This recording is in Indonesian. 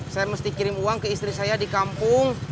saya mesti kirim uang ke istri saya di kampung